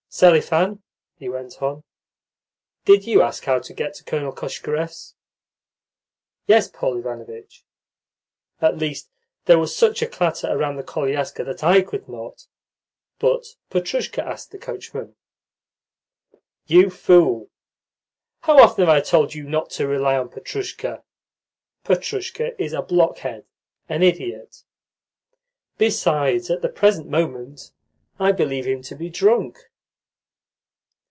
"Selifan," he went on, "did you ask how to get to Colonel Koshkarev's?" "Yes, Paul Ivanovitch. At least, there was such a clatter around the koliaska that I could not; but Petrushka asked the coachman." "You fool! How often have I told you not to rely on Petrushka? Petrushka is a blockhead, an idiot. Besides, at the present moment I believe him to be drunk."